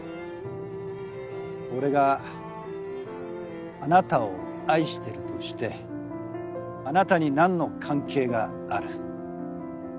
俺があなたを愛してるとしてあなたに何の関係がある？